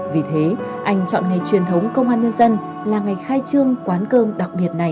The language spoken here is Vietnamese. vì thế anh chọn ngày truyền thống công an nhân dân là ngày khai trương quán cơm đặc biệt này